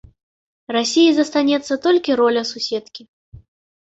Расіі застанецца толькі роля суседкі.